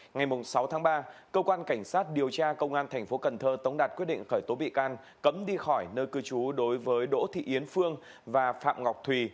ngày sáu tháng ba cơ quan cảnh sát điều tra công an thành phố cần thơ tống đạt quyết định khởi tố bị can cấm đi khỏi nơi cư trú đối với đỗ thị yến phương và phạm ngọc thùy